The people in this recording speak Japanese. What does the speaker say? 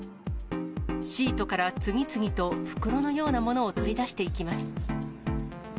シートから次々と、袋のようなものを取り出していきます。